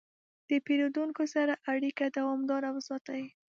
د پیرودونکو سره اړیکه دوامداره وساتئ.